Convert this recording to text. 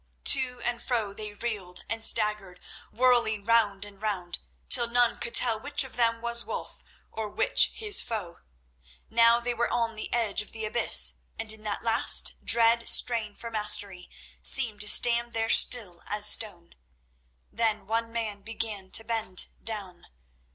To and fro they reeled and staggered, whirling round and round, till none could tell which of them was Wulf or which his foe. Now they were on the edge of the abyss, and, in that last dread strain for mastery, seemed to stand there still as stone. Then one man began to bend down.